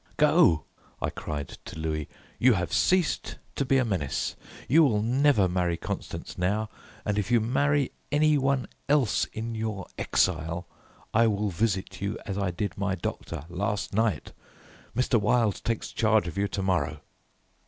"Go," I cried to Louis, "you have ceased to be a menace. You will never marry Constance now, and if you marry any one else in your exile, I will visit you as I did my doctor last night. Mr. Wilde takes charge of you to morrow."